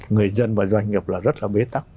người dân và doanh nghiệp là rất là bế tắc